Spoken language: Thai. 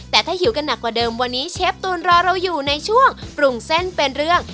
แต่ถ้าหิวกันหนักกว่าเดิมวันนี้เชฟตูนรอเราอยู่ในช่วงปรุงเส้นเป็นเรื่อง